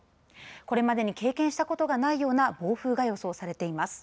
これまでに経験したことがないような暴風が予想されています。